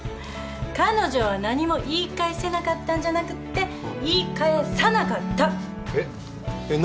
彼女は何も言い返せなかったんじゃなくって「言い返さなかった」えっ？えっ？